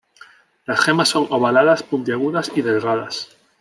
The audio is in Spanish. Las gemas son ovaladas, puntiagudas y delgadas.